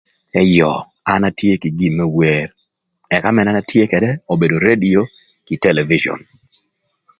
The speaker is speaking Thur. Ëyö an atye kï gin më wer, ëka mana an atye ködë, obedo redio kï telebicion.